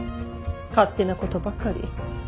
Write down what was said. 勝手なことばかり。